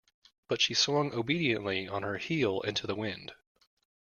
But she swung obediently on her heel into the wind.